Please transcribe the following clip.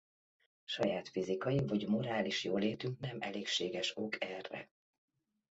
Saját fizikai vagy morális jólétünk nem elégséges ok erre.